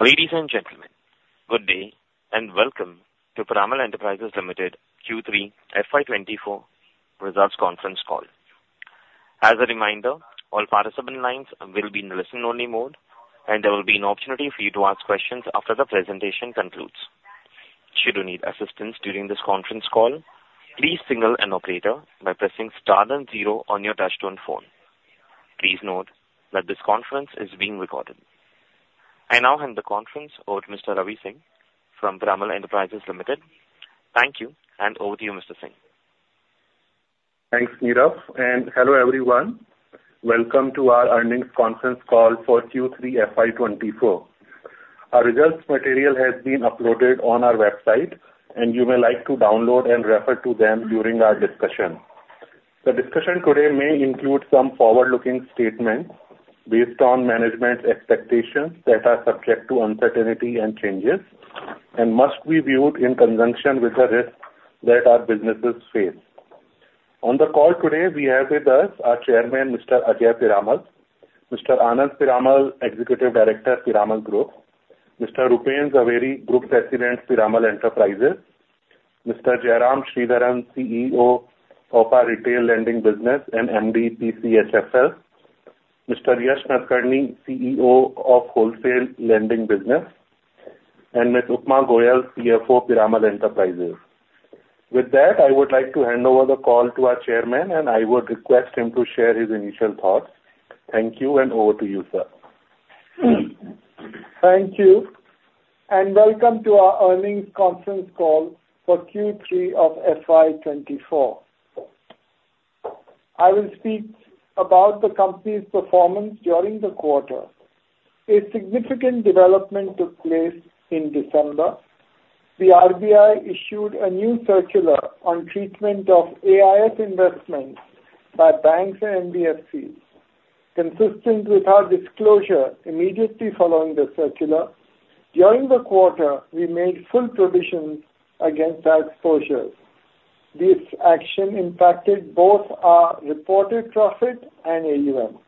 Ladies and gentlemen, good day, and welcome to Piramal Enterprises Limited Q3 FY 2024 results conference call. As a reminder, all participant lines will be in a listen-only mode, and there will be an opportunity for you to ask questions after the presentation concludes. Should you need assistance during this conference call, please signal an operator by pressing star then zero on your touchtone phone. Please note that this conference is being recorded. I now hand the conference over to Mr. Ravi Singh from Piramal Enterprises Limited. Thank you, and over to you, Mr. Singh. Thanks, Nirav, and hello, everyone. Welcome to our earnings conference call for Q3 FY24. Our results material has been uploaded on our website, and you may like to download and refer to them during our discussion. The discussion today may include some forward-looking statements based on management's expectations that are subject to uncertainty and changes, and must be viewed in conjunction with the risks that our businesses face. On the call today, we have with us our chairman, Mr. Ajay Piramal; Mr. Anand Piramal, Executive Director, Piramal Group; Mr. Rupen Jhaveri, Group President, Piramal Enterprises; Mr. Jairam Sridharan, CEO of our retail lending business and MD, PCHFL; Mr. Yesh Nadkarni, CEO of wholesale lending business; and Ms. Upma Goel, CFO, Piramal Enterprises. With that, I would like to hand over the call to our chairman, and I would request him to share his initial thoughts. Thank you, and over to you, sir. Thank you, and welcome to our earnings conference call for Q3 of FY 2024. I will speak about the company's performance during the quarter. A significant development took place in December. The RBI issued a new circular on treatment of AIF investments by banks and NBFCs. Consistent with our disclosure, immediately following the circular, during the quarter, we made full provisions against that exposure. This action impacted both our reported profit and AUM.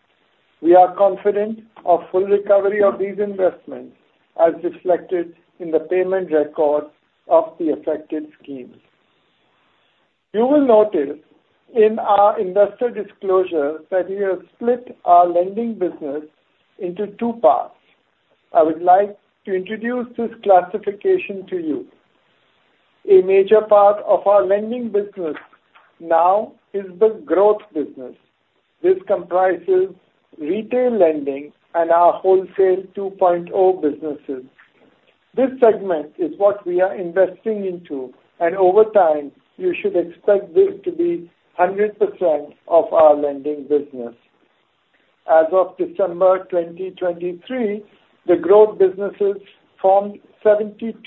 We are confident of full recovery of these investments, as reflected in the payment record of the affected schemes. You will notice in our investor disclosure that we have split our lending business into two parts. I would like to introduce this classification to you. A major part of our lending business now is the growth business. This comprises retail lending and our Wholesale 2.0 businesses. This segment is what we are investing into, and over time, you should expect this to be 100% of our lending business. As of December 2023, the growth businesses formed 72%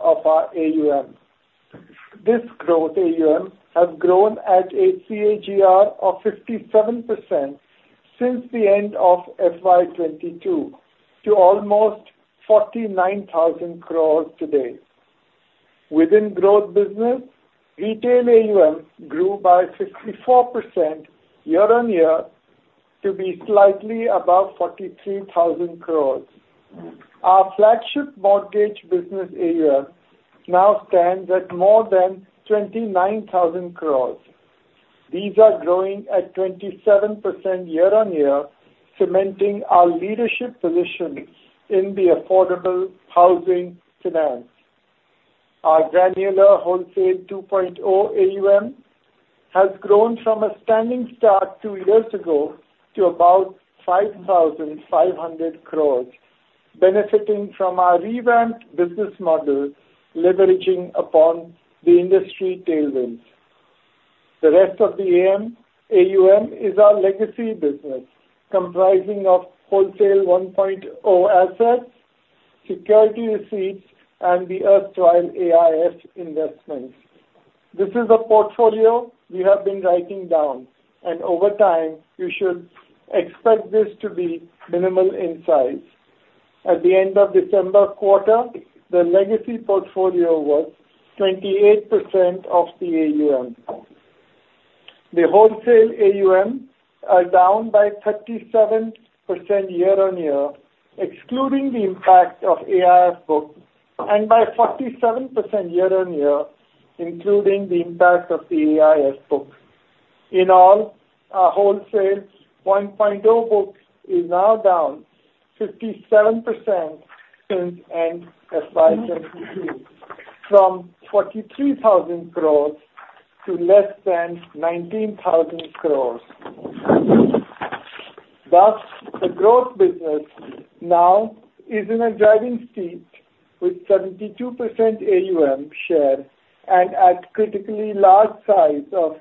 of our AUM. This growth AUM have grown at a CAGR of 57% since the end of FY 2022 to almost 49,000 crore today. Within growth business, retail AUM grew by 64% year-on-year to be slightly above 43,000 crore. Our flagship mortgage business AUM now stands at more than 29,000 crore. These are growing at 27% year-on-year, cementing our leadership position in the affordable housing finance. Our granular Wholesale 2.0 AUM has grown from a standing start two years ago to about 5,500 crore, benefiting from our revamped business model, leveraging upon the industry tailwinds. The rest of the AUM is our legacy business, comprising of Wholesale 1.0 assets, security receipts, and the erstwhile AIF investments. This is the portfolio we have been writing down, and over time, you should expect this to be minimal in size. At the end of December quarter, the legacy portfolio was 28% of the AUM. The wholesale AUM are down by 37% year-over-year, excluding the impact of AIF book, and by 47% year-over-year, including the impact of the AIF book. In all, our Wholesale 1.0 book is now down 57% since end FY 2022, from 43,000 crore to less than 19,000 crore. Thus, the growth business now is in a driving seat with 72% AUM share and at critically large size of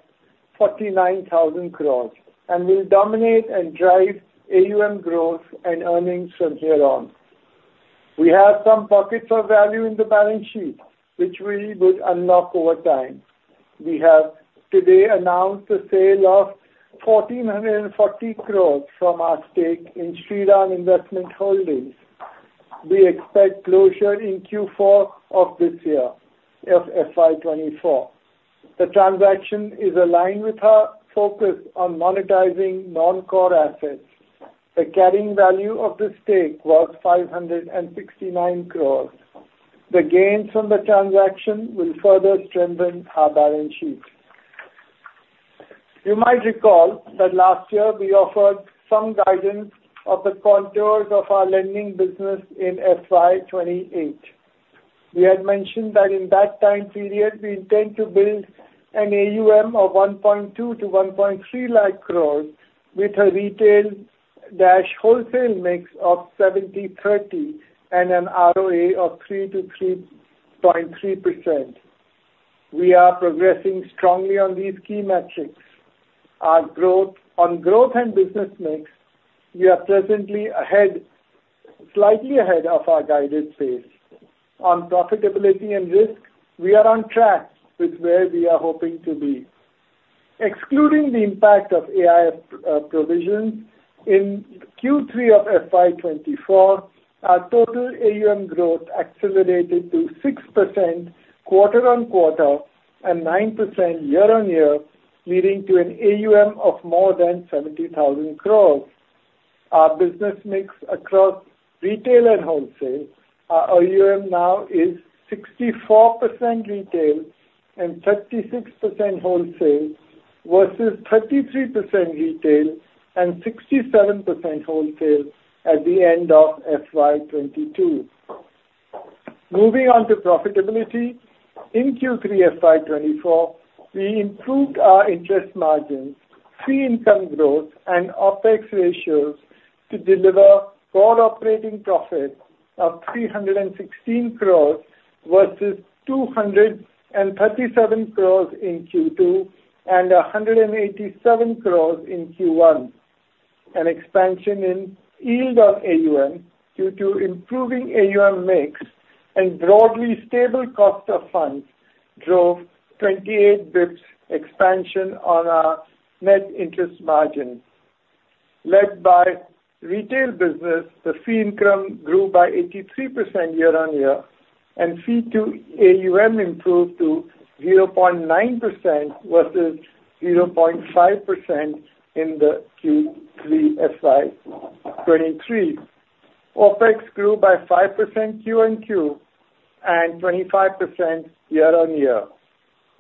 49,000 crore and will dominate and drive AUM growth and earnings from here on. We have some pockets of value in the balance sheet, which we would unlock over time. We have today announced the sale of 1,440 crore from our stake in Shriram Investment Holdings. We expect closure in Q4 of this year, of FY 2024. The transaction is aligned with our focus on monetizing non-core assets. The carrying value of the stake was 569 crore. The gains from the transaction will further strengthen our balance sheet. You might recall that last year, we offered some guidance of the contours of our lending business in FY 2028. We had mentioned that in that time period, we intend to build an AUM of 120,000 crore-130,000 crore, with a retail-wholesale mix of 70/30 and an ROA of 3%-3.3%. We are progressing strongly on these key metrics. Our growth, on growth and business mix, we are presently ahead, slightly ahead of our guided pace. On profitability and risk, we are on track with where we are hoping to be. Excluding the impact of AIF provision, in Q3 of FY 2024, our total AUM growth accelerated to 6% quarter-on-quarter and 9% year-on-year, leading to an AUM of more than 70,000 crore. Our business mix across retail and wholesale, our AUM now is 64% retail and 36% wholesale, versus 33% retail and 67% wholesale at the end of FY 2022. Moving on to profitability, in Q3 FY 2024, we improved our interest margins, fee income growth, and OpEx ratios to deliver core operating profit of 316 crore versus 237 crore in Q2, and 187 crore in Q1. An expansion in yield of AUM, due to improving AUM mix and broadly stable cost of funds, drove 28 basis points expansion on our net interest margin. Led by retail business, the fee income grew by 83% year-on-year, and fee to AUM improved to 0.9% versus 0.5% in the Q3 FY 2023. OpEx grew by 5% Q on Q, and 25% year-on-year,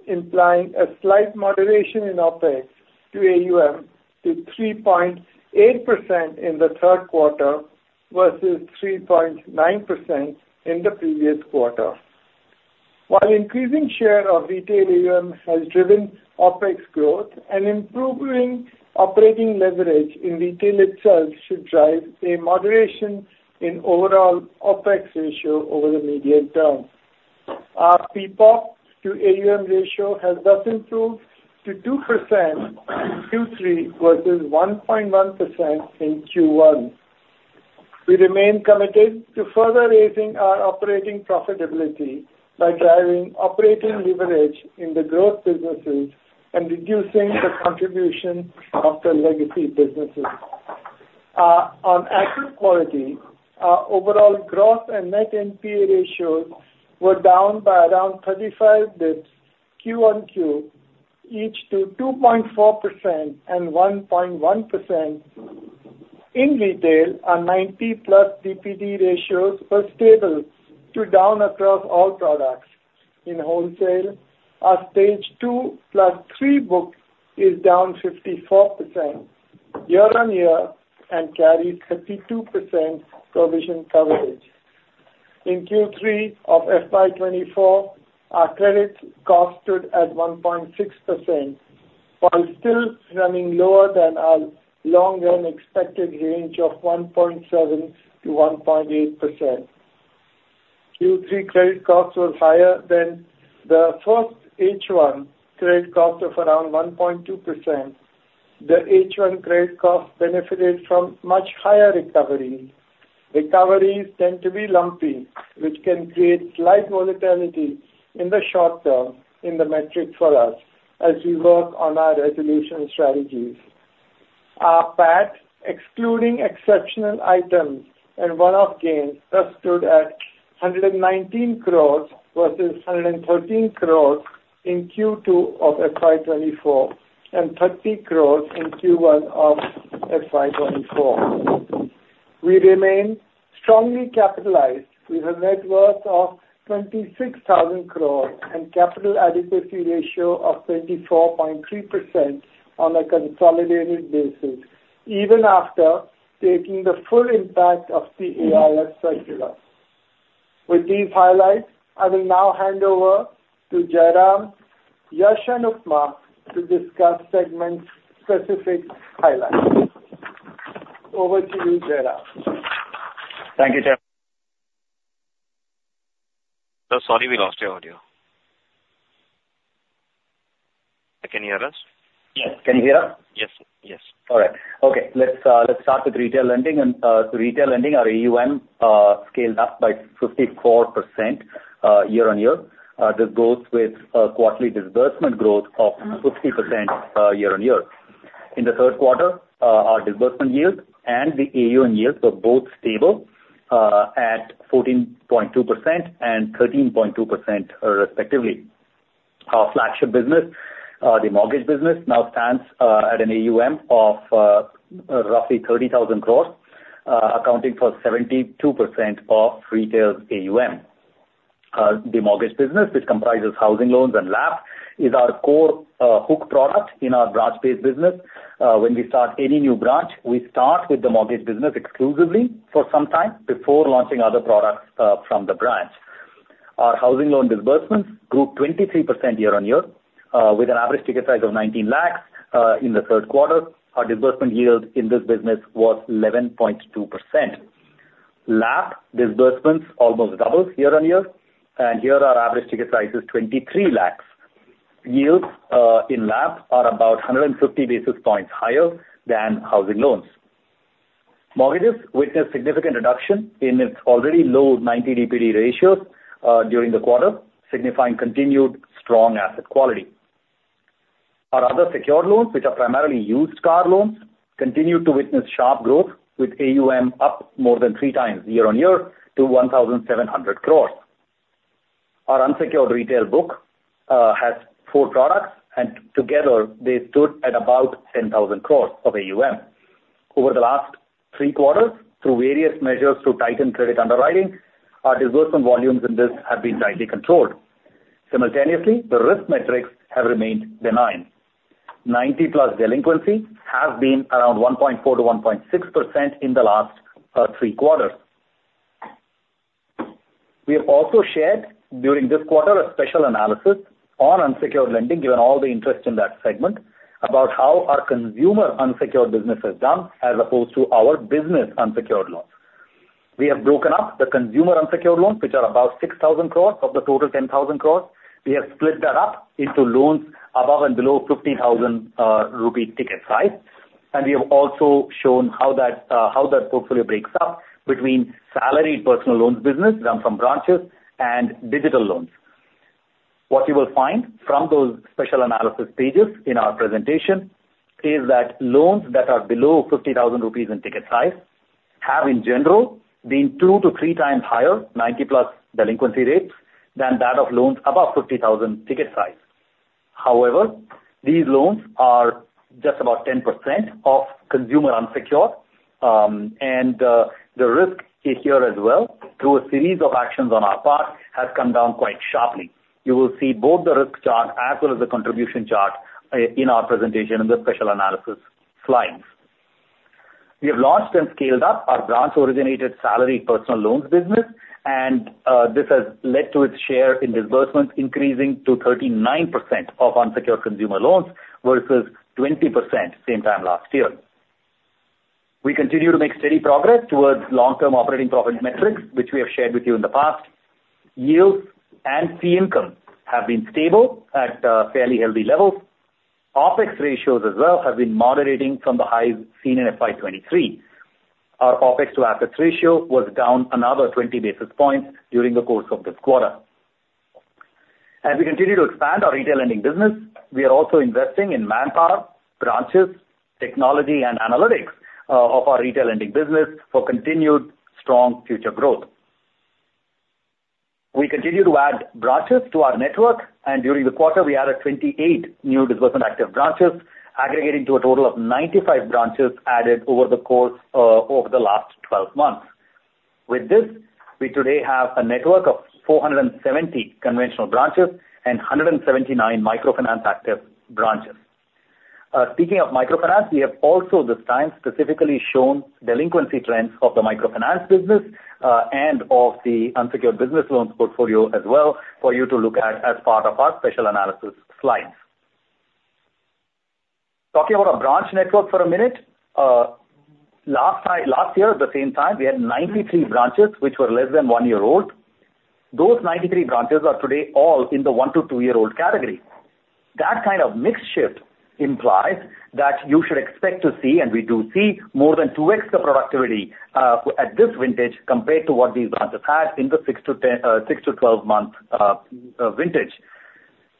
implying a slight moderation in OpEx to AUM to 3.8% in the third quarter versus 3.9% in the previous quarter. While increasing share of retail AUM has driven OpEx growth and improving operating leverage in retail itself should drive a moderation in overall OpEx ratio over the medium term. Our PPOP to AUM ratio has thus improved to 2% in Q3, versus 1.1% in Q1. We remain committed to further raising our operating profitability by driving operating leverage in the growth businesses and reducing the contribution of the legacy businesses. On asset quality, our overall gross and net NPA ratios were down by around 35 bps Q-on-Q, each to 2.4% and 1.1%. In retail, our 90+ DPD ratios were stable to down across all products. In wholesale, our Stage 2 + 3 book is down 54% year-on-year and carries 32% provision coverage. In Q3 of FY 2024, our credit cost stood at 1.6%, while still running lower than our long-run expected range of 1.7%-1.8%. Q3 credit costs were higher than the first H1 credit cost of around 1.2%. The H1 credit cost benefited from much higher recovery. Recoveries tend to be lumpy, which can create slight volatility in the short term in the metrics for us as we work on our resolution strategies. Our PAT, excluding exceptional items and one-off gains, thus stood at 119 crore, versus 113 crore in Q2 of FY 2024, and 30 crore in Q1 of FY 2024. We remain strongly capitalized, with a net worth of 26,000 crore and capital adequacy ratio of 24.3% on a consolidated basis, even after taking the full impact of the AIF circular. With these highlights, I will now hand over to Jairam Sridharan to discuss segment-specific highlights. Over to you, Jairam. Thank you, Chair. Sir, sorry, we lost your audio. Can you hear us? Yes. Can you hear us? Yes. Yes. All right. Okay, let's start with retail lending. So retail lending, our AUM scaled up by 54% year-over-year. This goes with a quarterly disbursement growth of 50% year-over-year. In the third quarter, our disbursement yields and the AUM yields were both stable at 14.2% and 13.2%, respectively. Our flagship business, the mortgage business, now stands at an AUM of roughly 30,000 crore, accounting for 72% of retail's AUM. The mortgage business, which comprises housing loans and LAP, is our core hook product in our branch-based business. When we start any new branch, we start with the mortgage business exclusively for some time before launching other products from the branch. Our housing loan disbursements grew 23% year-on-year, with an average ticket size of 19 lakh. In the third quarter, our disbursement yield in this business was 11.2%. LAP disbursements almost doubled year-on-year, and here our average ticket size is 23 lakh. Yields in LAP are about 150 basis points higher than housing loans. Mortgages witnessed significant reduction in its already low 90 DPD ratios during the quarter, signifying continued strong asset quality. Our other secured loans, which are primarily used car loans, continued to witness sharp growth with AUM up more than 3 times year-on-year to 1,700 crore. Our unsecured retail book has four products, and together they stood at about 10,000 crore of AUM. Over the last three quarters, through various measures to tighten credit underwriting, our disbursement volumes in this have been tightly controlled. Simultaneously, the risk metrics have remained benign. 90+ delinquency has been around 1.4%-1.6% in the last three quarters. We have also shared during this quarter, a special analysis on unsecured lending, given all the interest in that segment, about how our consumer unsecured business has done as opposed to our business unsecured loans. We have broken up the consumer unsecured loans, which are about 6,000 crore of the total 10,000 crore. We have split that up into loans above and below 50,000-rupee ticket size. We have also shown how that, how that portfolio breaks up between salaried personal loans business done from branches and digital loans. What you will find from those special analysis pages in our presentation is that loans that are below 50,000 rupees in ticket size have in general been 2-3 times higher 90+ delinquency rates than that of loans above 50,000 ticket size. However, these loans are just about 10% of consumer unsecured, the risk is here as well, through a series of actions on our part, has come down quite sharply. You will see both the risk chart as well as the contribution chart in our presentation in the special analysis slides. We have launched and scaled up our branch-originated salary personal loans business, and, this has led to its share in disbursements increasing to 39% of unsecured consumer loans, versus 20% same time last year. We continue to make steady progress towards long-term operating profit metrics, which we have shared with you in the past. Yields and fee income have been stable at fairly healthy levels. OpEx ratios as well have been moderating from the highs seen in FY 2023. Our OpEx to assets ratio was down another 20 basis points during the course of this quarter. As we continue to expand our retail lending business, we are also investing in manpower, branches, technology and analytics of our retail lending business for continued strong future growth. We continue to add branches to our network, and during the quarter, we added 28 new disbursement active branches, aggregating to a total of 95 branches added over the course, over the last 12 months. With this, we today have a network of 470 conventional branches and 179 microfinance active branches. Speaking of microfinance, we have also this time specifically shown delinquency trends of the microfinance business, and of the unsecured business loans portfolio as well, for you to look at as part of our special analysis slides. Talking about our branch network for a minute, last year, at the same time, we had 93 branches, which were less than 1 year old. Those 93 branches are today all in the 1- to 2-year-old category. That kind of mix shift implies that you should expect to see, and we do see, more than 2 extra productivity, at this vintage compared to what these branches had in the 6- to 12-month vintage.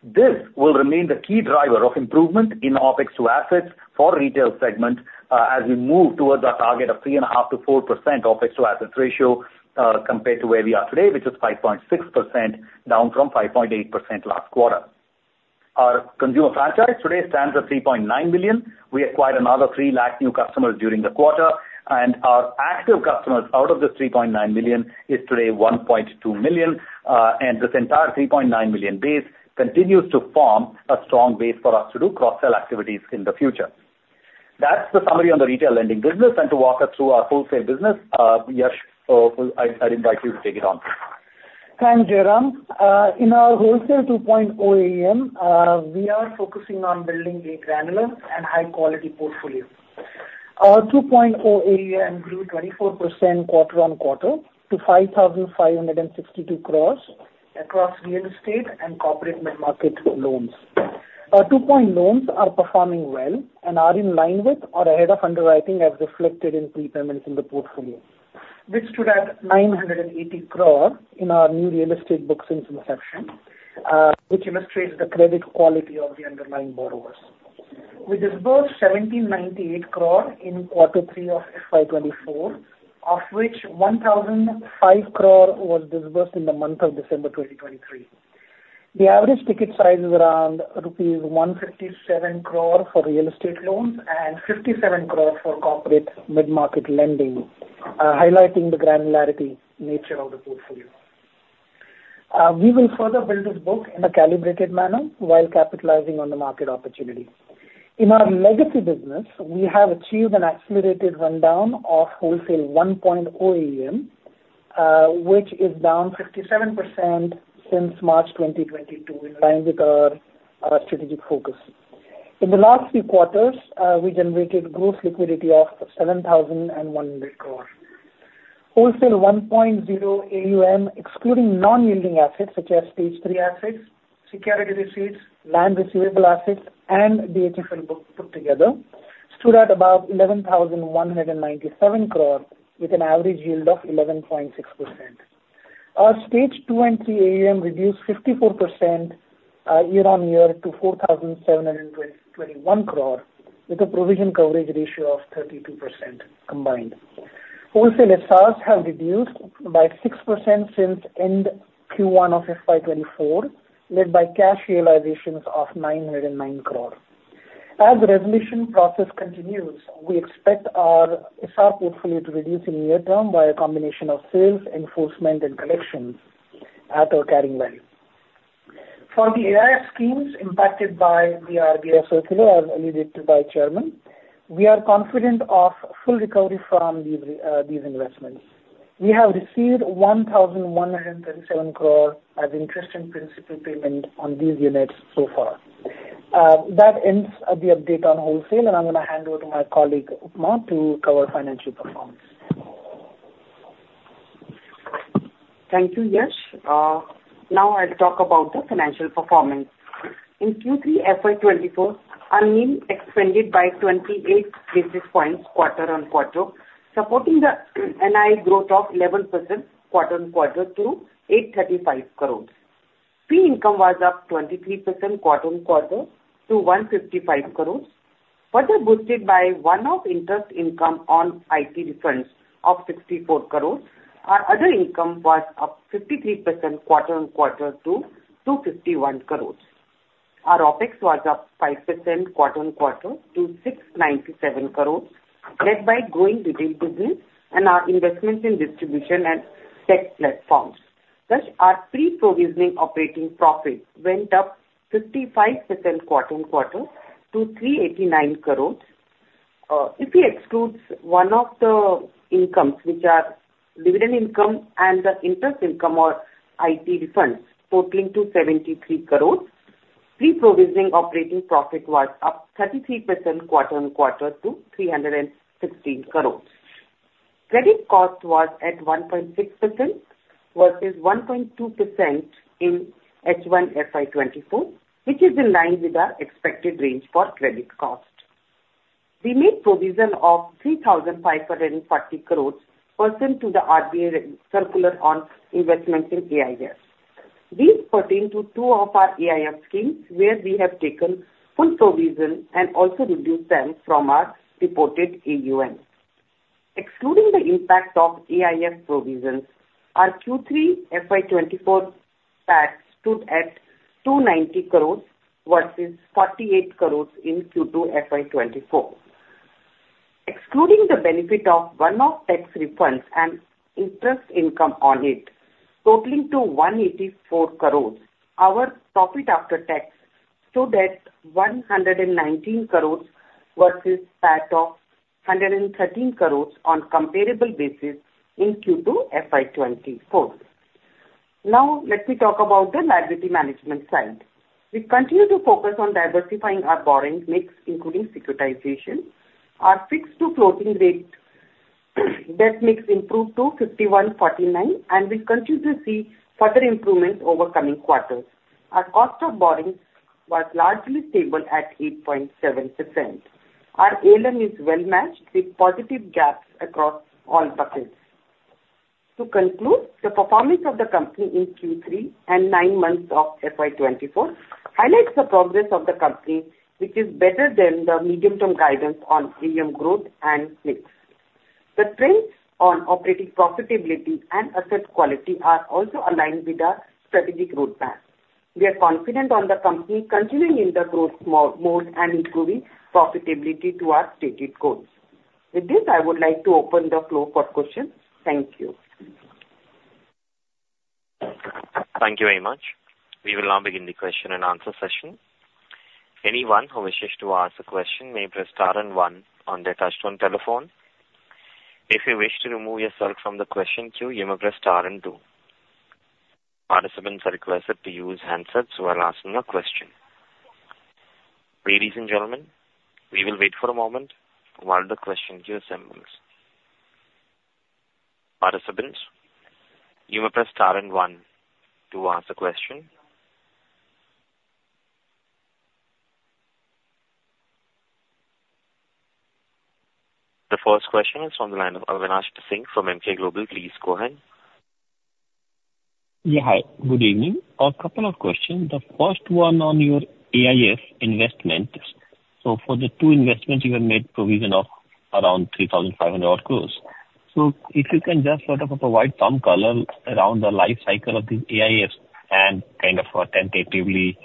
This will remain the key driver of improvement in OpEx to assets for retail segment, as we move towards our target of 3.5%-4% OpEx to assets ratio, compared to where we are today, which is 5.6%, down from 5.8% last quarter. Our consumer franchise today stands at 3.9 million. We acquired another 3 lakh new customers during the quarter, and our active customers out of this 3.9 million base continues to form a strong base for us to do cross-sell activities in the future. That's the summary on the retail lending business. And to walk us through our wholesale business, Yesh, I'd invite you to take it on. Thanks, Jairam. In our Wholesale 2.0 AUM, we are focusing on building a granular and high-quality portfolio. Our 2.0 AUM grew 24% quarter-on-quarter to 5,562 crore across real estate and corporate mid-market loans. Our 2.0 loans are performing well and are in line with or ahead of underwriting, as reflected in prepayments in the portfolio, which stood at 980 crore in our new real estate book's inception, which illustrates the credit quality of the underlying borrowers. We disbursed 1,798 crore in quarter 3 of FY 2024, of which 1,005 crore was disbursed in the month of December 2023. The average ticket size is around rupees 157 crore for real estate loans and 57 crore for corporate mid-market lending, highlighting the granular nature of the portfolio. We will further build this book in a calibrated manner while capitalizing on the market opportunity. In our legacy business, we have achieved an accelerated rundown of Wholesale 1.0 AUM, which is down 57% since March 2022, in line with our strategic focus. In the last three quarters, we generated gross liquidity of 7,001 crore. Wholesale 1.0 AUM, excluding non-yielding assets such as Stage Three assets, security receipts, land receivable assets, and DHFL book put together, stood at about 11,197 crore with an average yield of 11.6%. Our Stage Two and Three AUM reduced 54% year-on-year to 4,721 crore, with a provision coverage ratio of 32% combined. Wholesale NPAs have reduced by 6% since end Q1 of FY 2024, led by cash realizations of 909 crore. As the resolution process continues, we expect our NPA portfolio to reduce in near term by a combination of sales, enforcement, and collections at our carrying value. For the AIF schemes impacted by the RBI circular, as alluded to by Chairman, we are confident of full recovery from these, these investments. We have received 1,137 crore as interest and principal payment on these units so far. That ends the update on wholesale, and I'm going to hand over to my colleague, Upma, to cover financial performance. Thank you, Yesh. Now I'll talk about the financial performance. In Q3 FY 2024, our NIM expanded by 28 basis points quarter-on-quarter, supporting the NII growth of 11% quarter-on-quarter to 835 crore. Fee income was up 23% quarter-on-quarter to 155 crore, further boosted by one-off interest income on IT refunds of 64 crore. Our other income was up 53% quarter-on-quarter to 251 crore. Our OpEx was up 5% quarter-on-quarter to INR 697 crore. Thus, our pre-provisioning operating profit went up 55% quarter-on-quarter to 389 crore. If we excludes one of the incomes, which are dividend income and the interest income or IT refunds totaling to 73 crore, pre-provisioning operating profit was up 33% quarter-over-quarter to 316 crore. Credit cost was at 1.6%, versus 1.2% in H1 FY 2024, which is in line with our expected range for credit cost. We made provision of 3,540 crore pursuant to the RBI circular on investments in AIF. These pertain to two of our AIF schemes, where we have taken full provision and also reduced them from our reported AUM. Excluding the impact of AIF provisions, our Q3 FY 2024 PAT stood at INR 290 crore versus INR 48 crore in Q2 FY 2024. Excluding the benefit of one-off tax refunds and interest income on it, totaling to 184 crore, our profit after tax stood at 119 crore versus PAT of 113 crore on comparable basis in Q2 FY 2024. Now, let me talk about the liability management side. We continue to focus on diversifying our borrowing mix, including securitization. Our fixed to floating rate debt mix improved to 51/49, and we continue to see further improvement over coming quarters. Our cost of borrowing was largely stable at 8.7%. Our ALM is well matched with positive gaps across all buckets. To conclude, the performance of the company in Q3 and nine months of FY 2024 highlights the progress of the company, which is better than the medium-term guidance on AUM growth and mix. The trends on operating profitability and asset quality are also aligned with our strategic roadmap. We are confident on the company continuing in the growth mode and improving profitability to our stated goals. With this, I would like to open the floor for questions. Thank you. Thank you very much. We will now begin the question-and-answer session. Anyone who wishes to ask a question may press star and one on their touchtone telephone. If you wish to remove yourself from the question queue, you may press star and two. Participants are requested to use handsets while asking a question. Ladies and gentlemen, we will wait for a moment while the question queue assembles. Participants, you may press star and one to ask a question. The first question is from the line of Avinash Singh from Emkay Global. Please go ahead. Yeah, hi. Good evening. A couple of questions. The first one on your AIF investment. So for the two investments, you have made provision of around 3,500 crore. So if you can just sort of provide some color around the life cycle of these AIFs and kind of tentatively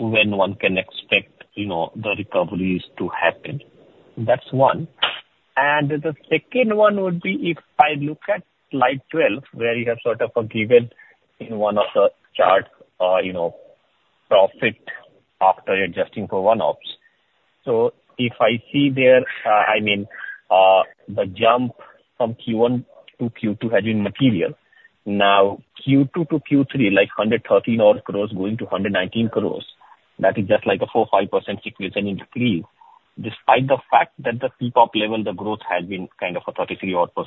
when one can expect, you know, the recoveries to happen. That's one. And the second one would be if I look at slide 12, where you have sort of given in one of the charts, you know, profit after adjusting for one-offs. So if I see there, I mean, the jump from Q1 to Q2 has been material. Now, Q2 to Q3, like, 113 crores going to 119 crores, that is just like a 4-5% sequential increase, despite the fact that the PPOP level, the growth has been kind of a 33 odd %.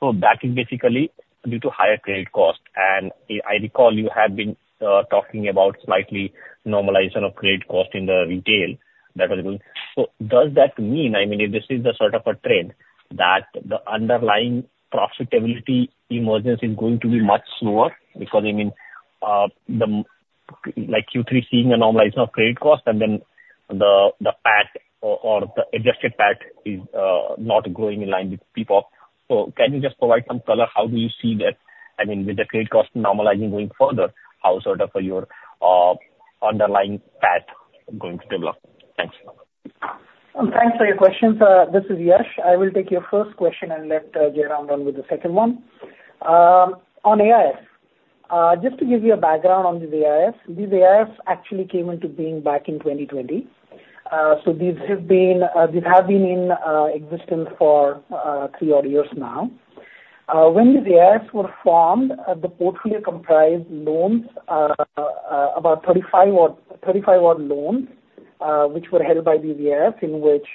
So that is basically due to higher credit cost. And I recall you have been talking about slight normalization of credit cost in the retail that was going. So does that mean, I mean, if this is the sort of a trend, that the underlying profitability emergence is going to be much slower? Because, I mean, the like Q3, seeing a normalization of credit cost and then the, the PAT or, or the adjusted PAT is not growing in line with PPOP. So can you just provide some color? How do you see that, I mean, with the credit cost normalizing going further, how sort of, your, underlying PAT going to develop? Thanks. Thanks for your questions. This is Yesh. I will take your first question and let Jairam run with the second one. On AIF, just to give you a background on the AIF, these AIFs actually came into being back in 2020. So these have been in existence for three odd years now. When the AIFs were formed, the portfolio comprised loans about 35 odd, 35 odd loans, which were held by the AIF, in which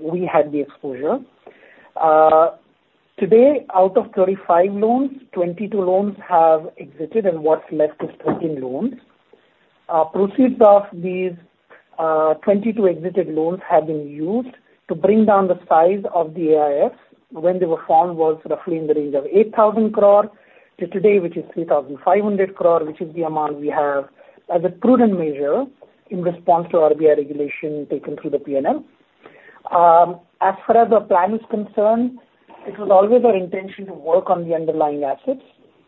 we had the exposure. Today, out of 35 loans, 22 loans have exited, and what's left is 13 loans. Proceeds of these 22 exited loans have been used to bring down the size of the AIF. When they were formed, it was roughly in the range of 8,000 crore to today, which is 3,500 crore, which is the amount we have as a prudent measure in response to RBI regulation taken through the PNL. As far as the plan is concerned, it was always our intention to work on the underlying assets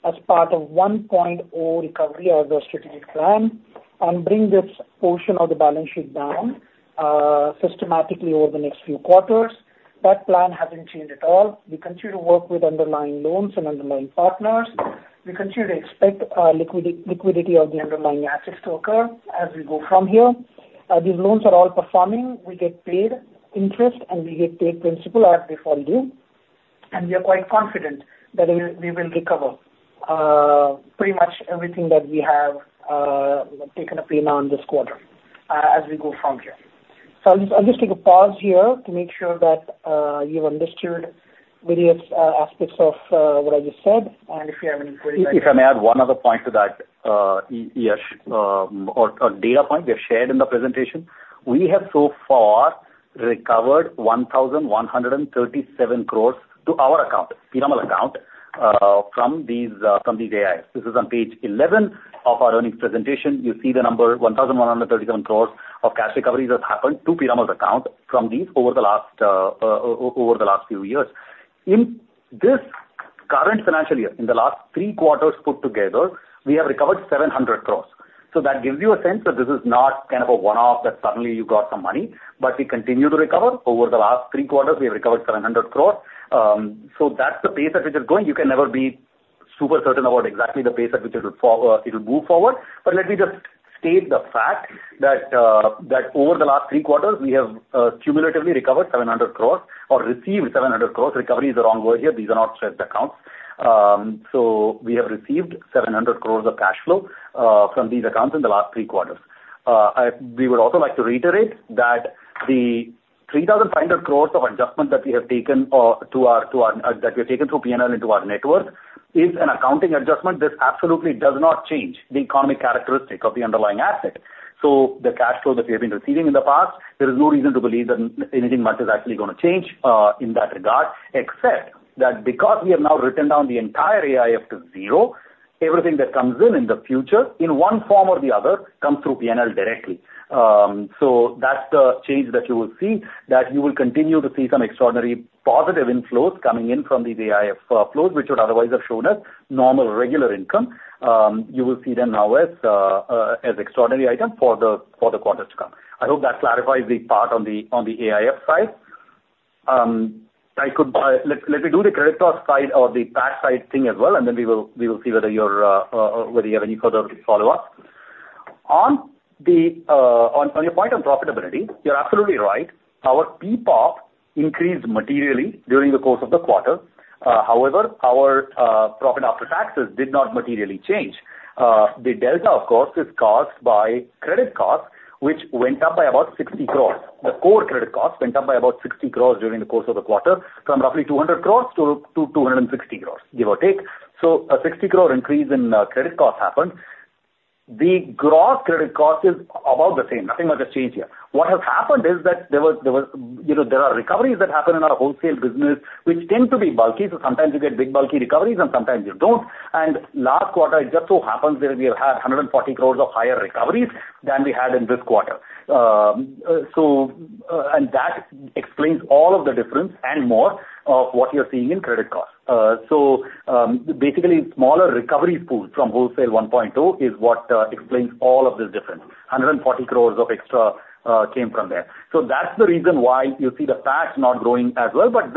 as part of 1.0 recovery or the strategic plan, and bring this portion of the balance sheet down systematically over the next few quarters. That plan hasn't changed at all. We continue to work with underlying loans and underlying partners. We continue to expect liquidity of the underlying assets to occur as we go from here. These loans are all performing. We get paid interest, and we get paid principal as they fall due, and we are quite confident that we, we will recover pretty much everything that we have taken a PN on this quarter as we go from here. So I'll just, I'll just take a pause here to make sure that you've understood various aspects of what I just said. And if you have any queries- If I may add one other point to that, Yesh, or a data point we have shared in the presentation. We have so far recovered 1,137 crore to our account, Piramal account, from these AIFs. This is on page 11 of our earnings presentation. You see the number, 1,137 crore of cash recoveries has happened to Piramal's account from these over the last few years. In this current financial year, in the last 3 quarters put together, we have recovered 700 crore. So that gives you a sense that this is not kind of a one-off, that suddenly you got some money, but we continue to recover. Over the last 3 quarters, we have recovered 700 crore. So that's the pace at which it's going. You can never be super certain about exactly the pace at which it will move forward. But let me just state the fact that over the last three quarters, we have cumulatively recovered 700 crore or received 700 crore. Recovery is the wrong word here. These are not stressed accounts. So we have received 700 crore of cash flow from these accounts in the last three quarters. We would also like to reiterate that the 3,500 crore of adjustment that we have taken to our, that we have taken through P&L into our net worth, is an accounting adjustment. This absolutely does not change the economic characteristic of the underlying asset. So the cash flow that we have been receiving in the past, there is no reason to believe that anything much is actually gonna change, in that regard, except that because we have now written down the entire AIF to zero, everything that comes in in the future, in one form or the other, comes through PNL directly. So that's the change that you will see, that you will continue to see some extraordinary positive inflows coming in from these AIF flows, which would otherwise have shown as normal, regular income. You will see them now as, as extraordinary items for the quarters to come. I hope that clarifies the part on the AIF side. I could, Let me do the credit card side or the PAT side thing as well, and then we will see whether you have any further follow-up. On your point on profitability, you're absolutely right. Our PPOP increased materially during the course of the quarter. However, our profit after taxes did not materially change. The delta, of course, is caused by credit costs, which went up by about 60 crore. The core credit costs went up by about 60 crore during the course of the quarter, from roughly 200 crore to 260 crore, give or take. So a 60 crore increase in credit costs happened. The gross credit cost is about the same, nothing much has changed here. What has happened is that there was, you know, there are recoveries that happen in our wholesale business, which tend to be bulky, so sometimes you get big, bulky recoveries and sometimes you don't. Last quarter, it just so happens that we had 140 crore of higher recoveries than we had in this quarter. That explains all of the difference and more of what you're seeing in credit costs. Basically, smaller recovery pools from Wholesale 1.2 is what explains all of this difference. 140 crore of extra came from there. That's the reason why you see the PAT not growing as well. But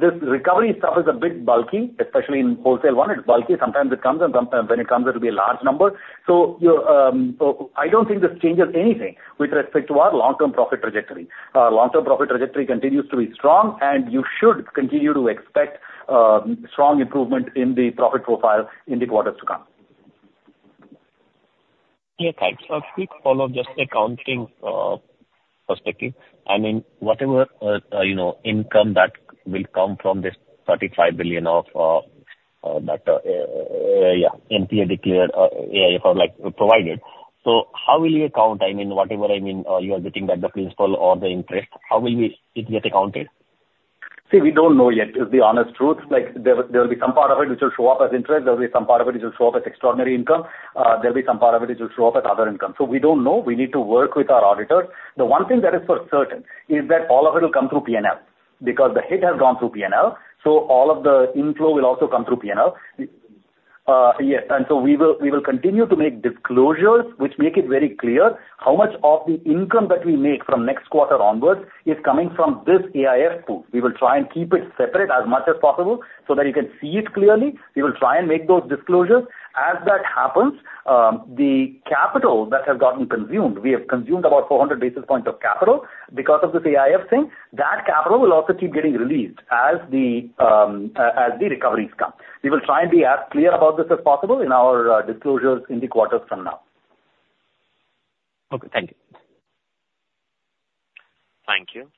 this recovery stuff is a bit bulky, especially in Wholesale 1, it's bulky. Sometimes it comes, and when it comes, it'll be a large number. So you, I don't think this changes anything with respect to our long-term profit trajectory. Our long-term profit trajectory continues to be strong, and you should continue to expect, strong improvement in the profit profile in the quarters to come. Yeah, thanks. A quick follow-up, just accounting perspective. I mean, whatever you know, income that will come from this 35 billion of that yeah, NPA declared AIF, or like, provided. So how will you account, I mean, whatever I mean, you are getting back the principal or the interest, how will we it get accounted? See, we don't know yet is the honest truth. Like, there will be some part of it which will show up as interest. There will be some part of it which will show up as extraordinary income. There'll be some part of it which will show up as other income. So we don't know. We need to work with our auditors. The one thing that is for certain is that all of it will come through P&L, because the hit has gone through P&L, so all of the inflow will also come through P&L. Yes, and so we will continue to make disclosures which make it very clear how much of the income that we make from next quarter onwards is coming from this AIF pool. We will try and keep it separate as much as possible so that you can see it clearly. We will try and make those disclosures. As that happens, the capital that has gotten consumed, we have consumed about 400 basis points of capital because of this AIF thing. That capital will also keep getting released as the recoveries come. We will try and be as clear about this as possible in our disclosures in the quarters from now. Okay. Thank you. Thank you.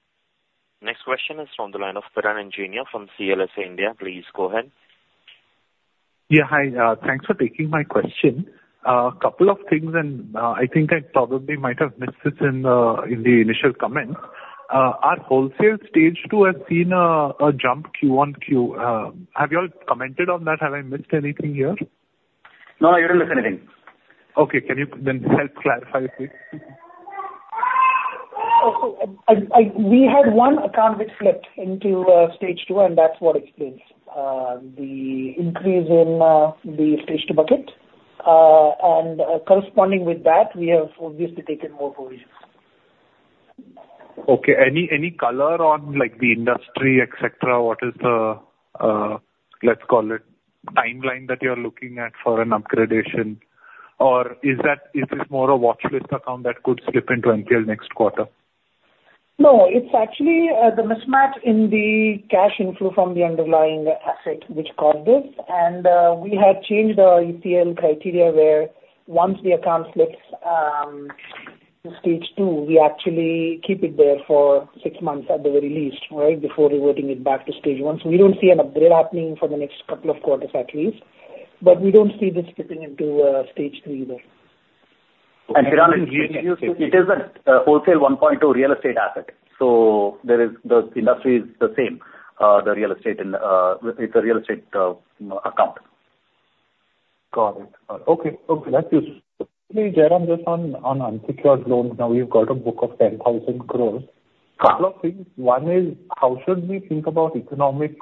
Next question is from the line of Piran Engineer from CLSA India. Please go ahead. Yeah, hi. Thanks for taking my question. Couple of things, and I think I probably might have missed it in the, in the initial comments. Our wholesale stage two has seen a jump Q1 Q. Have you all commented on that? Have I missed anything here? No, you didn't miss anything. Okay, can you then help clarify, please? We had one account which flipped into Stage Two, and that's what explains the increase in the Stage Two bucket. And corresponding with that, we have obviously taken more provisions. Okay. Any, any color on, like, the industry, et cetera? What is the, let's call it, timeline that you're looking at for an upgradation? Or is that, is this more a watchlist account that could slip into NPL next quarter? No, it's actually the mismatch in the cash inflow from the underlying asset which caused this. We have changed our ECL criteria, where once the account slips to stage two, we actually keep it there for six months at the very least, right? Before reverting it back to stage one. So we don't see an upgrade happening for the next couple of quarters at least, but we don't see this slipping into stage three though. Piran, it is a wholesale 1.2 real estate asset, so the industry is the same, the real estate, and it's a real estate account. Got it. Okay. Okay, thank you. Maybe, Jairam, just on, on unsecured loans, now you've got a book of 10,000 crore. Couple of things. One is, how should we think about economics,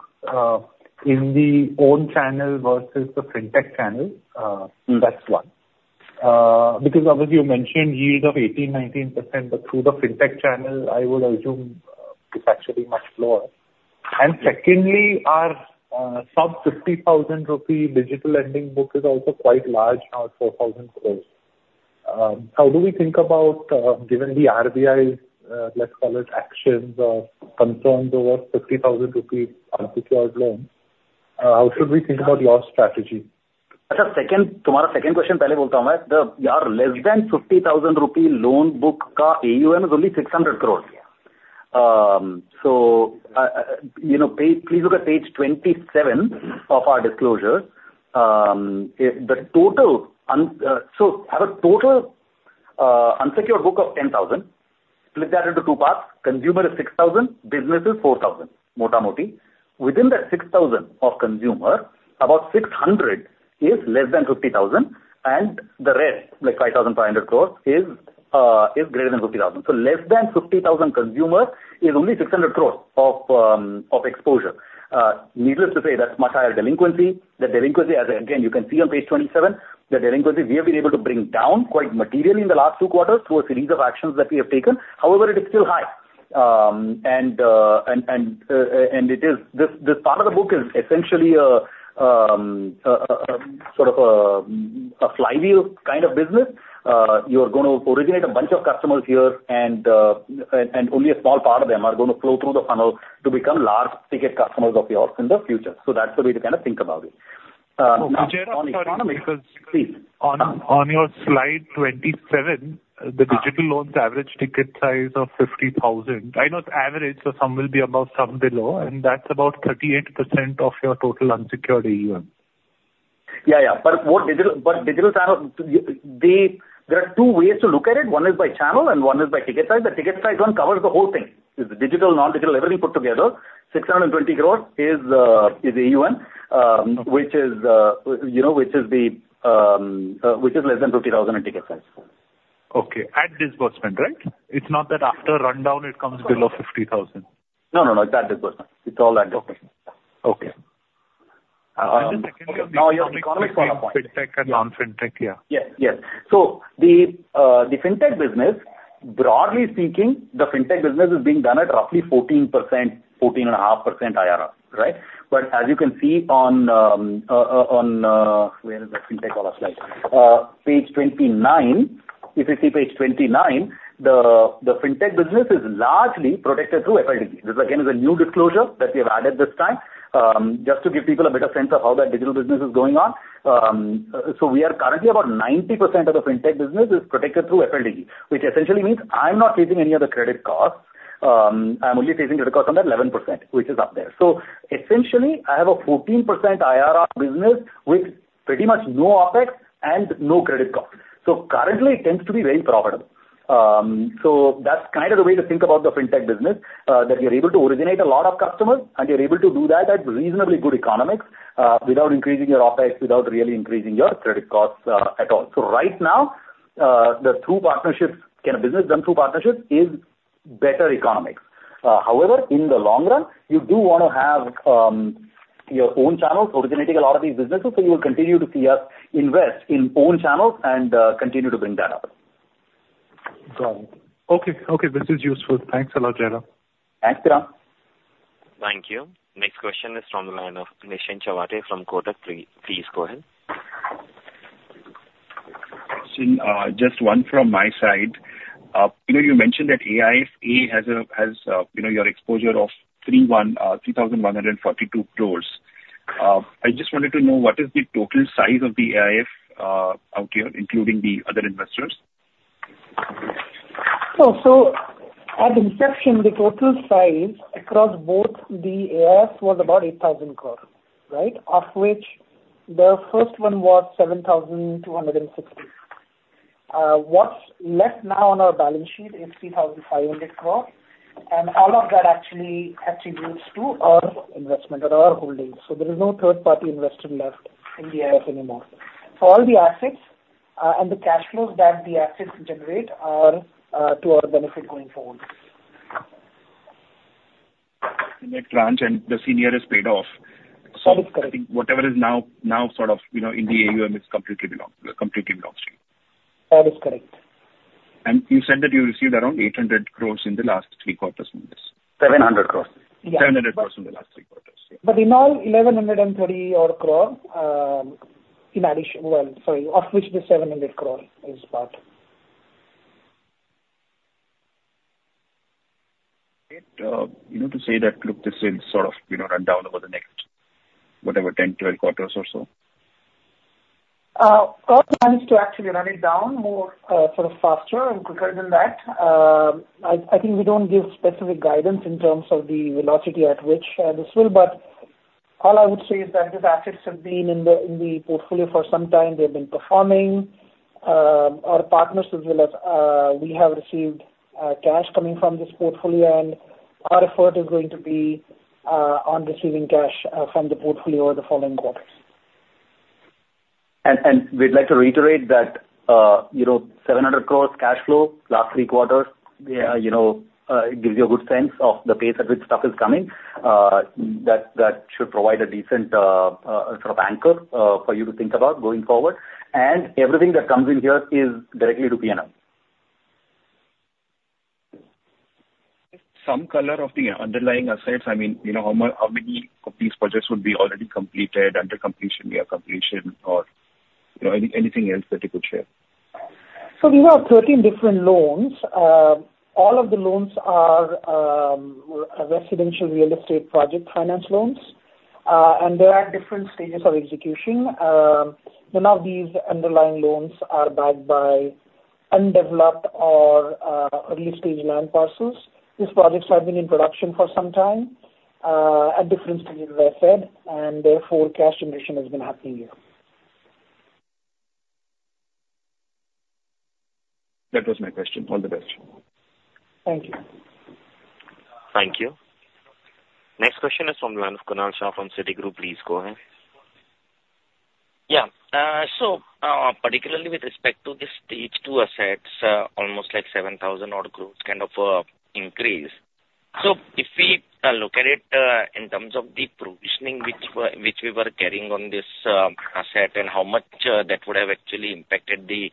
in the own channel versus the fintech channel? That's one. Because obviously you mentioned yield of 18%-19%, but through the fintech channel, I would assume, it's actually much lower. And secondly, our, sub-50,000 rupee digital lending book is also quite large, now at 4,000 crore. How do we think about, given the RBI, let's call it, actions or concerns over 50,000 rupees unsecured loans, how should we think about your strategy? Second, to answer your second question, our less than 50,000 rupee loan book ka AUM is only 600 crore. So, you know, please look at page 27 of our disclosures. If the total unsecured book of 10,000, split that into two parts. Consumer is 6,000, business is 4,000, mota moti. Within that 6,000 of consumer, about 600 is less than 50,000, and the rest, like 5,500 crore is greater than 50,000. So less than 50,000 consumers is only 600 crore of exposure. Needless to say, that's much higher delinquency. The delinquency, as again, you can see on page 27, the delinquency we have been able to bring down quite materially in the last two quarters through a series of actions that we have taken. However, it is still high. This part of the book is essentially sort of a flywheel kind of business. You're gonna originate a bunch of customers here, and only a small part of them are gonna flow through the funnel to become large ticket customers of yours in the future. So that's the way to kind of think about it. Now- Jairam, sorry, because- Please. On your slide 27, the digital loans average ticket size of 50,000, I know it's average, so some will be above, some below, and that's about 38% of your total unsecured AUM.... Yeah, yeah. But more digital, but digital channel, there are two ways to look at it. One is by channel and one is by ticket size. The ticket size one covers the whole thing. It's digital, non-digital, everything put together, 620 crore is AUM, you know, which is less than 50,000 in ticket size. Okay. At disbursement, right? It's not that after rundown it comes below 50,000. No, no, no. At disbursement. It's all at disbursement. Okay. Okay. Now, your economics on a point. Fintech and non-fintech, yeah. Yes, yes. So the fintech business, broadly speaking, the fintech business is being done at roughly 14%, 14.5% IRR, right? But as you can see on, where is that fintech on a slide? Page 29. If you see page 29, the fintech business is largely protected through FLDG. This again, is a new disclosure that we have added this time, just to give people a better sense of how that digital business is going on. So we are currently about 90% of the fintech business is protected through FLDG, which essentially means I'm not taking any of the credit costs. I'm only taking credit costs on that 11%, which is up there. So essentially, I have a 14% IRR business with pretty much no OpEx and no credit cost. So currently, it tends to be very profitable. So that's kind of the way to think about the fintech business, that we are able to originate a lot of customers, and we are able to do that at reasonably good economics, without increasing your OpEx, without really increasing your credit costs, at all. So right now, the two partnerships, kind of, business done through partnerships is better economics. However, in the long run, you do want to have, your own channels originating a lot of these businesses, so you will continue to see us invest in own channels and, continue to bring that up. Got it. Okay, okay, this is useful. Thanks a lot, Jairam. Thanks, Piran. Thank you. Next question is from the line of Nischint Chawathe from Kotak. Please go ahead. Just one from my side. You know, you mentioned that AIF has a, has, you know, your exposure of 3,142 crore. I just wanted to know, what is the total size of the AIF, out here, including the other investors? So at inception, the total size across both the AIFs was about 8,000 crore, right? Of which the first one was 7,260 crore. What's left now on our balance sheet is 3,500 crore, and all of that actually attributes to our investment or our holdings. So there is no third party investor left in the AIF anymore. So all the assets, and the cash flows that the assets generate are, to our benefit going forward. In the tranche and the senior is paid off. That is correct. So I think whatever is now sort of, you know, in the AUM, it completely belongs to you. That is correct. You said that you received around 800 crore in the last 3 quarters from this? 700 crore. Yeah. 700 crore in the last three quarters. But in all, 1,130-odd crore, in addition... Well, sorry, of which the 700 crore is part. You know, to say that, look, this will sort of, you know, run down over the next, whatever, 10, 12 quarters or so? We plan to actually run it down more, sort of faster and quicker than that. I think we don't give specific guidance in terms of the velocity at which this will, but all I would say is that these assets have been in the portfolio for some time. They've been performing. Our partners as well as we have received cash coming from this portfolio, and our effort is going to be on receiving cash from the portfolio over the following quarters. And we'd like to reiterate that, you know, 700 crore cash flow last three quarters, you know, sort of anchor for you to think about going forward. Everything that comes in here is directly to PNL. Some color of the underlying assets, I mean, you know, how many of these projects would be already completed, under completion, near completion or, you know, anything else that you could share? So these are 13 different loans. All of the loans are residential real estate project finance loans, and they are at different stages of execution. None of these underlying loans are backed by undeveloped or early-stage land parcels. These projects have been in production for some time, at different stages, as I said, and therefore, cash generation has been happening here. That was my question. All the best. Thank you. Thank you. Next question is from the line of Kunal Shah from Citigroup. Please go ahead. Yeah. So, particularly with respect to the Stage Two Assets, almost like 7,000 odd crores kind of increase. So if we look at it, in terms of the provisioning which we were carrying on this asset and how much that would have actually impacted the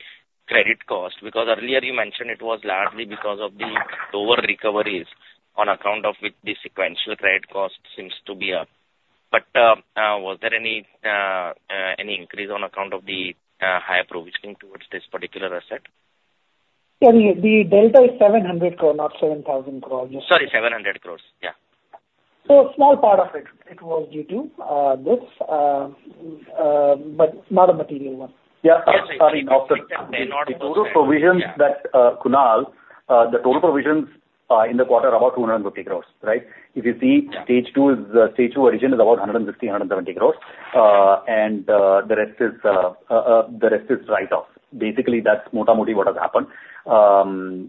credit cost? Because earlier you mentioned it was largely because of the lower recoveries on account of which the sequential credit cost seems to be... But, was there any increase on account of the higher provisioning towards this particular asset? Yeah, the delta is 700 crore, not 7,000 crore. Sorry, 700 crore. Yeah. So a small part of it, it was due to this, but not a material one. Yeah. Yes, I mean, of the total provisions that, Kunal, the total provisions in the quarter, about 250 crore, right? If you see, stage two is, stage two origin is about 160-170 crore. And,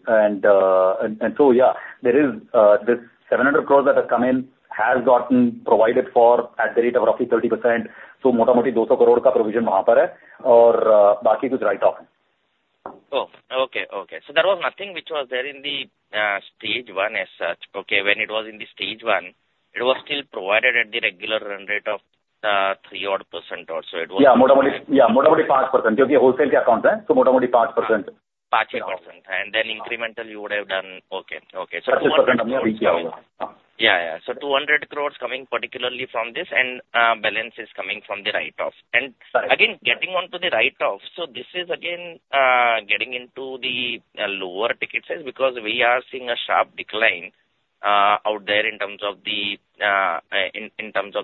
and so, yeah, there is this 700 crore that has come in, has gotten provided for at the rate of roughly 30%. So motamoti 200 crore provision or write-off. Oh, okay, okay. So there was nothing which was there in the Stage 1 as such. Okay, when it was in the Stage 1, it was still provided at the regular run rate of 3% or so it was- Yeah, motamoti, yeah, motamoti 5%, because wholesale account, so motamoti 5%. 5%, and then incremental you would have done... Okay, okay. Yes. Yeah, yeah. So 200 crore coming particularly from this, and balance is coming from the write-off. Correct. Again, getting on to the write-off, so this is again getting into the lower ticket size, because we are seeing a sharp decline out there in terms of the 90+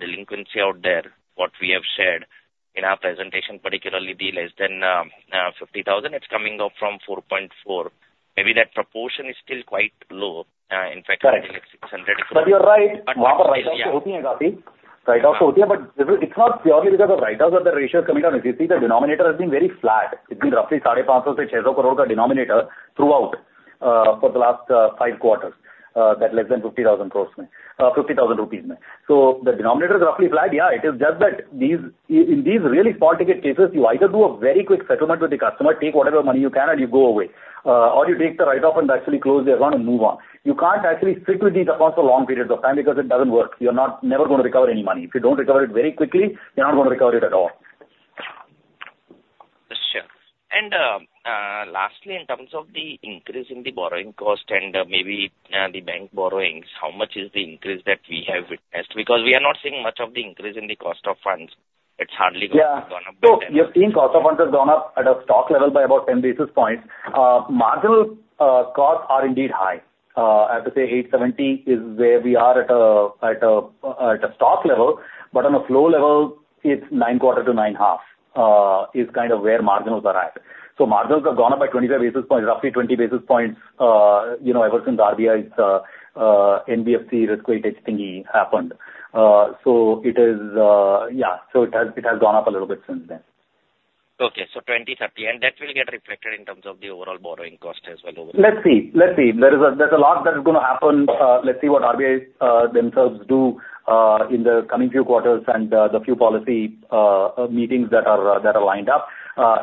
delinquency out there. What we have shared in our presentation, particularly the less than 50,000, it's coming down from 4.4. Maybe that proportion is still quite low, in fact- Correct. Six hundred- But you're right. But, yeah. Write-offs, but it's not purely because of write-downs that the ratio is coming down. If you see, the denominator has been very flat. It's been roughly INR 500-600 crore denominator throughout for the last 5 quarters that less than 50,000 crore rupees, INR 50,000. So the denominator is roughly flat. Yeah, it is just that these in these really small ticket cases, you either do a very quick settlement with the customer, take whatever money you can, and you go away. Or you take the write-off and actually close the account and move on. You can't actually stick with the accounts for long periods of time because it doesn't work. You're not never gonna recover any money. If you don't recover it very quickly, you're not gonna recover it at all. Sure. And lastly, in terms of the increase in the borrowing cost and, maybe, the bank borrowings, how much is the increase that we have witnessed? Because we are not seeing much of the increase in the cost of funds. It's hardly- Yeah. Gone up. So you're seeing cost of funds has gone up at a stock level by about 10 basis points. Marginal costs are indeed high. I have to say 870 is where we are at a stock level, but on a flow level, it's 9.25 to 9.50, is kind of where marginals are at. So marginals have gone up by 25 basis points, roughly 20 basis points, you know, ever since RBI's NBFC risk weightage thingy happened. So it is. Yeah, so it has, it has gone up a little bit since then. Okay, so 20, 30, and that will get reflected in terms of the overall borrowing cost as well? Let's see. Let's see. There is a, there's a lot that is gonna happen. Let's see what RBI themselves do in the coming few quarters and the few policy meetings that are lined up.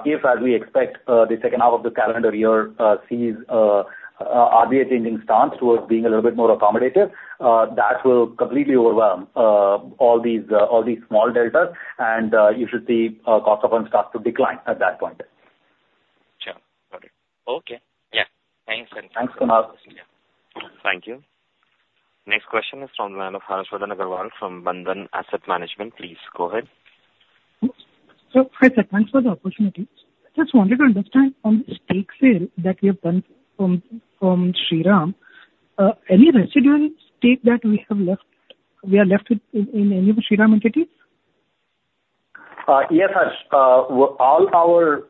If as we expect the second half of the calendar year sees RBI changing stance towards being a little bit more accommodative that will completely overwhelm all these small deltas and you should see cost of funds start to decline at that point. Sure, got it. Okay, yeah. Thanks. Thanks, Kumar. Thank you. Next question is from the line of Harshad Awalegaonkar from Bandhan Asset Management. Please go ahead. Hi, sir, thanks for the opportunity. Just wanted to understand on the stake sale that you have done from Shriram, any residual stake that we are left with in any of the Shriram entities? Yes, Harshad. All our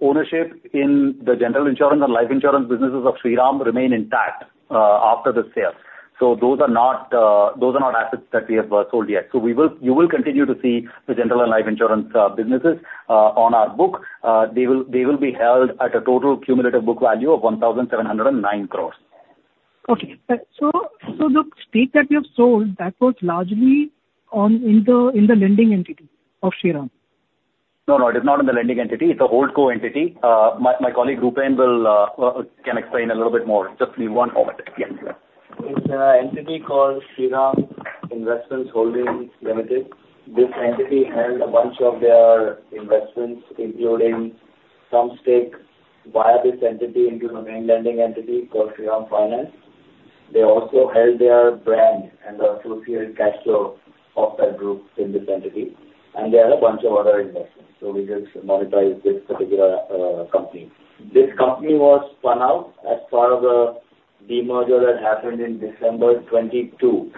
ownership in the general insurance and life insurance businesses of Shriram remain intact after the sale. So those are not those are not assets that we have sold yet. So we will... You will continue to see the general and life insurance businesses on our book. They will, they will be held at a total cumulative book value of 1,709 crore. Okay. So the stake that you have sold, that was largely in the lending entity of Shriram? No, no, it is not in the lending entity, it's a hold co entity. My colleague Rupen can explain a little bit more. Just give me one moment. Yeah. It's an entity called Shriram Investment Holdings Limited. This entity held a bunch of their investments, including some stake via this entity into the main lending entity called Shriram Finance. They also held their brand and the associated cash flow of that group in this entity, and there are a bunch of other investments. So we just monetized this particular company. This company was spun out as part of the demerger that happened in December 2022,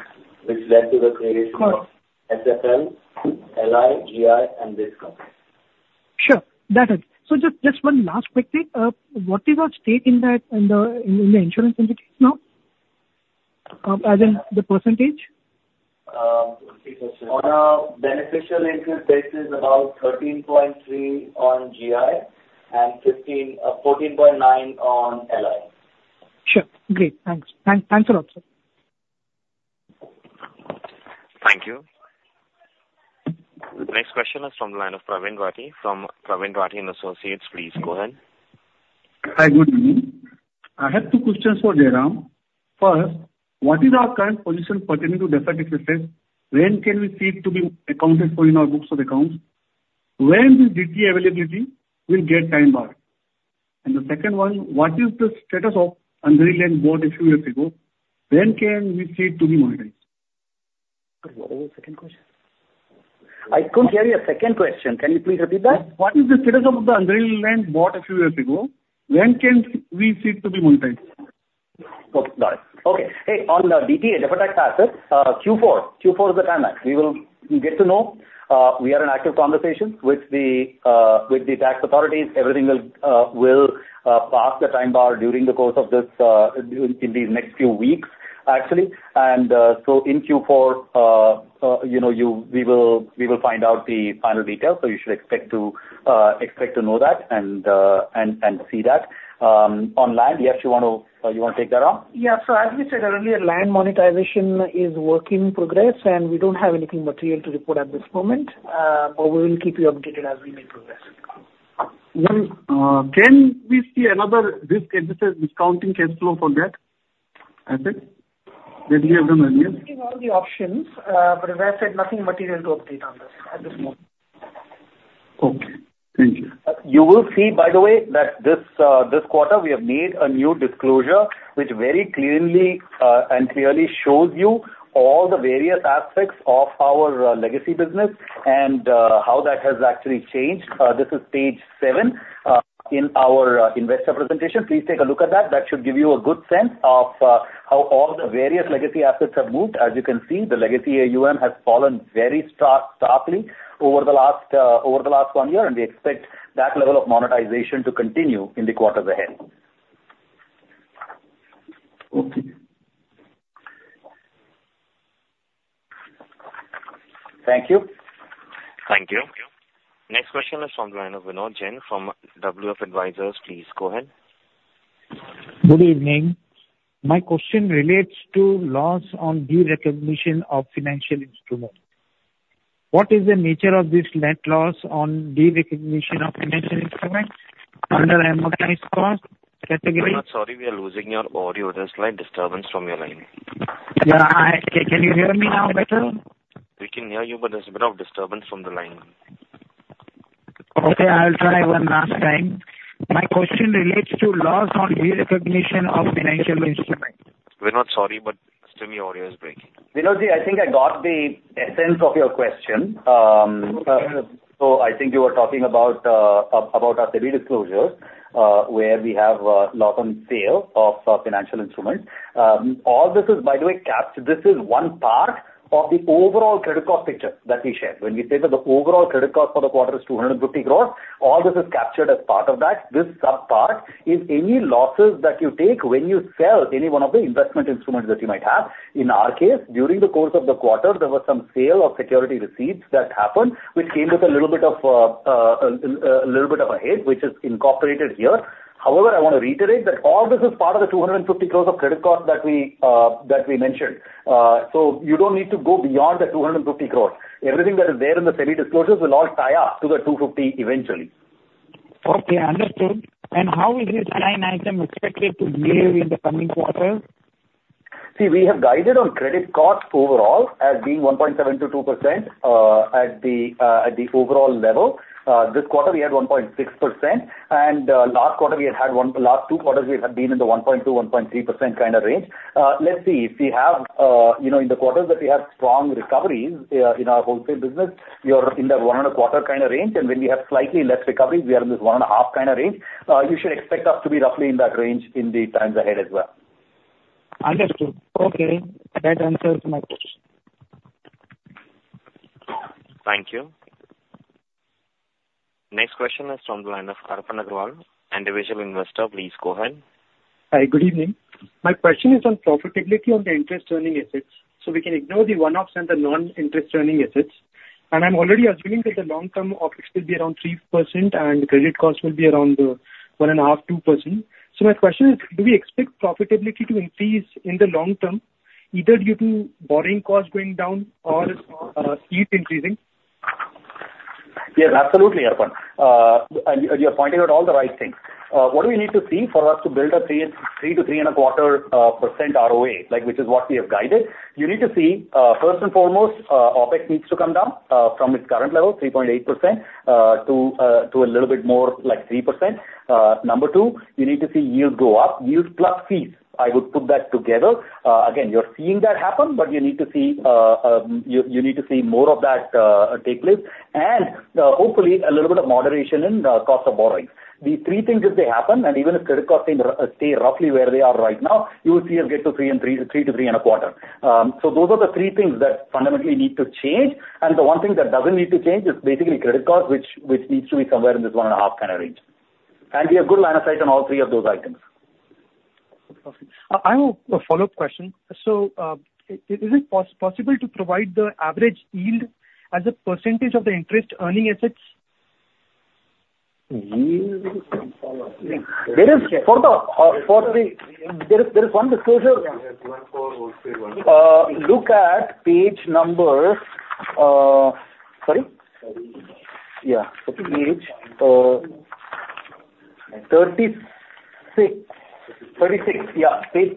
which led to the creation- Of course. SFL, LI, GI, and this company. Sure. That's it. So just, just one last quick thing. What is our stake in that, in the insurance entities now? As in the percentage? On a beneficial interest basis, about 13.3 on GI and 15, 14.9 on LI. Sure. Great. Thanks. Thanks a lot, sir. Thank you. The next question is from the line of [Pravin Wati from Pravin Wati and Associates]. Please go ahead. Hi, good evening. I have two questions for Jairam. First, what is our current position pertaining to the asset effectiveness? When can we see it to be accounted for in our books of accounts? When the DTA availability will get time-barred? And the second one, what is the status of unrealized bought a few years ago? When can we see it to be monetized? What was the second question? I couldn't hear your second question. Can you please repeat that? What is the status of the unrealized land bought a few years ago? When can we see it to be monetized?... Got it. Okay. Hey, on the DTA, deferred tax assets, Q4, Q4 is the time that we will get to know. We are in active conversations with the, with the tax authorities. Everything will, will, pass the time bar during the course of this, during, in the next few weeks, actually. And, so in Q4, you know, you, we will, we will find out the final details. So you should expect to, expect to know that, and, and, and see that. On land, yes, you want to, you want to take that on? Yeah. So as we said earlier, land monetization is work in progress, and we don't have anything material to report at this moment, but we will keep you updated as we make progress. Can we see another risk-adjusted discounted cash flow for that asset that you have done earlier? We're looking all the options, but as I said, nothing material to update on this at this moment. Okay. Thank you. You will see, by the way, that this, this quarter, we have made a new disclosure, which very clearly, and clearly shows you all the various aspects of our, legacy business and, how that has actually changed. This is page seven, in our, investor presentation. Please take a look at that. That should give you a good sense of, how all the various legacy assets have moved. As you can see, the legacy AUM has fallen very sharply over the last, over the last one year, and we expect that level of monetization to continue in the quarters ahead. Okay. Thank you. Thank you. Next question is from Vinod Jain from WF Advisors. Please go ahead. Good evening. My question relates to loss on derecognition of financial instrument. What is the nature of this net loss on derecognition of financial instruments under amortized cost category? Vinod, sorry, we are losing your audio. There's slight disturbance from your line. Yeah, can you hear me now better? We can hear you, but there's a bit of disturbance from the line. Okay, I'll try one last time. My question relates to loss on derecognition of financial instrument. Vinod, sorry, but still your audio is breaking. Vinod, I think I got the essence of your question. Okay. So I think you were talking about about our SEBI disclosures, where we have loss on sale of financial instruments. All this is, by the way, capped. This is one part of the overall credit cost picture that we shared. When we say that the overall credit cost for the quarter is 250 crore, all this is captured as part of that. This sub-part is any losses that you take when you sell any one of the investment instruments that you might have. In our case, during the course of the quarter, there was some sale of security receipts that happened, which came with a little bit of a hit, which is incorporated here. However, I want to reiterate that all this is part of the 250 crore of credit cost that we, that we mentioned. So you don't need to go beyond the 250 crore. Everything that is there in the SEBI disclosures will all tie up to the 250 crore eventually. Okay, understood. How is this line item expected to behave in the coming quarters? See, we have guided on credit costs overall as being 1.7%-2%, at the overall level. This quarter, we had 1.6%, and last quarter, we had had one. Last two quarters, we have been in the 1.2%-1.3% kind of range. Let's see, if we have, you know, in the quarters that we have strong recoveries in our wholesale business, we are in that 1.25 kind of range, and when we have slightly less recoveries, we are in this 1.5 kind of range. You should expect us to be roughly in that range in the times ahead as well. Understood. Okay. That answers my question. Thank you. Next question is from the line of Arpan Agarwal, individual investor. Please go ahead. Hi, good evening. My question is on profitability on the interest-earning assets. So we can ignore the one-offs and the non-interest earning assets. And I'm already assuming that the long-term OpEx will be around 3%, and credit costs will be around 1.5%-2%. So my question is: do we expect profitability to increase in the long term, either due to borrowing costs going down or yields increasing? Yes, absolutely, Arpan. And you're pointing out all the right things. What do we need to see for us to build a 3%-3.25% ROA, like, which is what we have guided? You need to see, first and foremost, OpEx needs to come down from its current level, 3.8%, to a little bit more like 3%. Number two, you need to see yields go up, yields plus fees. I would put that together. Again, you're seeing that happen, but you need to see more of that take place, and hopefully, a little bit of moderation in the cost of borrowing. The three things, if they happen, and even if credit costs stay roughly where they are right now, you will see us get to 3 and 3, 3-3.25. So those are the three things that fundamentally need to change. The one thing that doesn't need to change is basically credit cost, which needs to be somewhere in this 1.5 kind of range. We have good line of sight on all three of those items. Okay. I have a follow-up question. So, is it possible to provide the average yield as a percentage of the interest-earning assets? Yield? There is one disclosure. Yes, one for wholesale one. Look at page number... Sorry? Sorry. Yeah. Page 36. Thirty-six. 36. Yeah, page 36.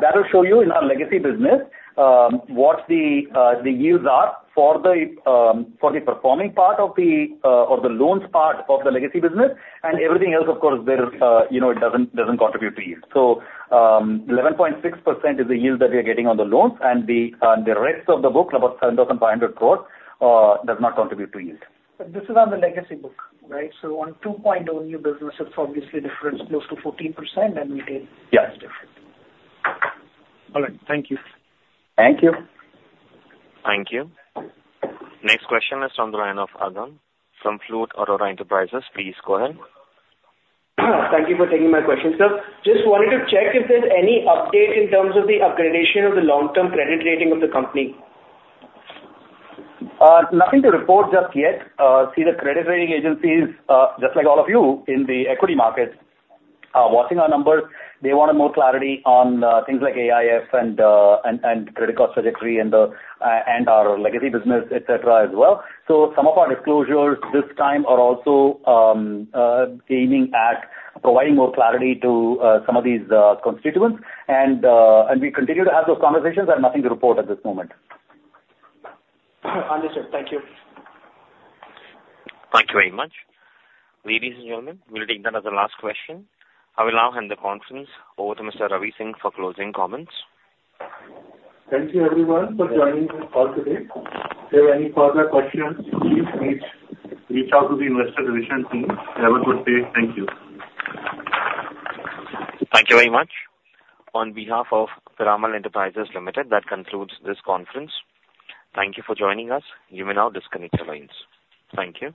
That will show you in our legacy business what the yields are for the performing part of the loans part of the legacy business. And everything else, of course, there is, you know, it doesn't contribute to yield. So, 11.6% is the yield that we are getting on the loans, and the rest of the book, about 7,500 crore, does not contribute to yield. But this is on the legacy book, right? So on 2.0 business, it's obviously different, close to 14% and we take- Yeah. as different. All right. Thank you. Thank you. Thank you. Next question is from the line of Agam, from Flute Aurora Enterprises. Please go ahead. Thank you for taking my question, sir. Just wanted to check if there's any update in terms of the upgradation of the long-term credit rating of the company? Nothing to report just yet. See, the credit rating agencies, just like all of you in the equity markets, are watching our numbers. They wanted more clarity on things like AIF and credit cost trajectory and our legacy business, et cetera, as well. So some of our disclosures this time are also aiming at providing more clarity to some of these constituents. And we continue to have those conversations, but nothing to report at this moment. Understood. Thank you. Thank you very much. Ladies and gentlemen, we'll take that as the last question. I will now hand the conference over to Mr. Ravi Singh for closing comments. Thank you everyone for joining this call today. If you have any further questions, please reach out to the investor relations team. Have a good day. Thank you. Thank you very much. On behalf of Piramal Enterprises Limited, that concludes this conference. Thank you for joining us. You may now disconnect your lines. Thank you.